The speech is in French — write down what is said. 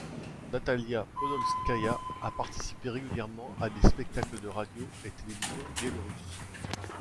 Natalia Podolskaya a participé régulièrement a des spectacles de radio et télévision biélorusses.